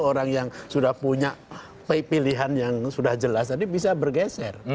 orang yang sudah punya pilihan yang sudah jelas tadi bisa bergeser